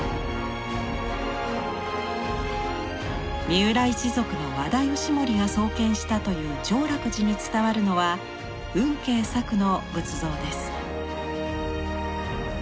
三浦一族の和田義盛が創建したという浄楽寺に伝わるのは運慶作の仏像です。